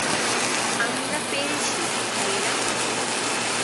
আমরা পেরেছি, ভাইয়েরা!